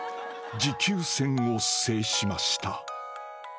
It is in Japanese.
持久戦を制しました］